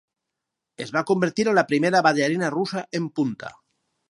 Es va convertir en la primera ballarina russa en punta.